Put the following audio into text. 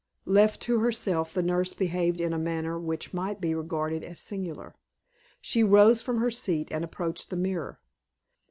Left to herself, the nurse behaved in a manner which might be regarded as singular. She rose from her seat, and approached the mirror.